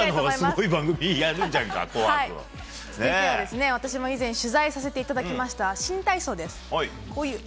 続いては私も以前取材させていただきました新体操です。